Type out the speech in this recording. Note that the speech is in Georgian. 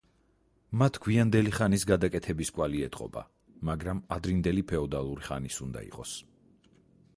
მათ გვიანდელი ხანის გადაკეთების კვალი ეტყობა, მაგრამ ადრინდელი ფეოდალური ხანის უნდა იყოს.